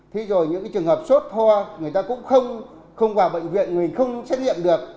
thì rồi những trường hợp sốt hoa người ta cũng không vào bệnh viện người không xét nghiệm được